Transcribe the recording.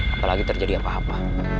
apalagi terjadi apa apa